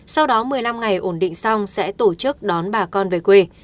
sau đó một mươi năm ngày ổn định xong sẽ tổ chức đón bà con về quê